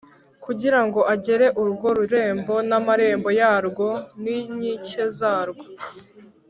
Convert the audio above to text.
kugira ngo agere urwo rurembo n’amarembo yarwo n’inkike zarwo.